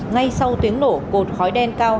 ngay sau tiếng nổ cột khói đen cao